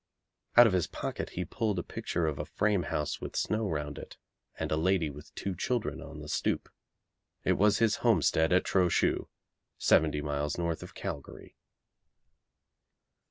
Out of his pocket he pulled a picture of a frame house with snow round it, and a lady with two children on the stoop. It was his homestead at Trochu, seventy miles north of Calgary.